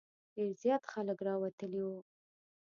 ډېر زیات خلک راوتلي وو.